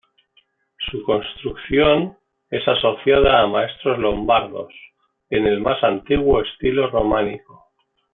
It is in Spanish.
Su construcción es asociada a maestros lombardos, en el más antiguo estilo románico.